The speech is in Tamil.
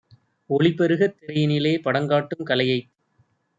ஒளிபெருகத் திரையினிலே படங்காட்டும் கலையைத்